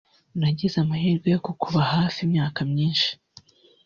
Nagize amahirwe yo kukuba hafi imyaka myinshi